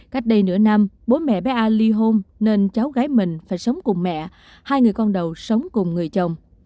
cách đây nửa năm bố mẹ bé a ly hôn nên cháu gái mình phải sống cùng mẹ hai người con đầu sống cùng người chồng